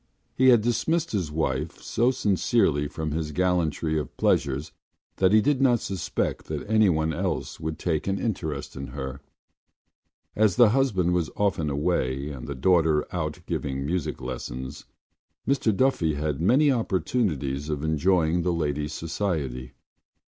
He had dismissed his wife so sincerely from his gallery of pleasures that he did not suspect that anyone else would take an interest in her. As the husband was often away and the daughter out giving music lessons Mr Duffy had many opportunities of enjoying the lady’s society.